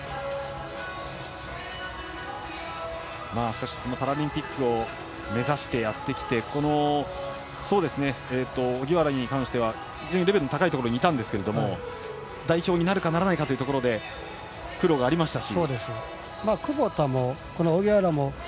しかしパラリンピックを目指してやってきて荻原に関しては非常にレベルの高いところにいたんですが代表になるかならないかというところで苦労がありましたし。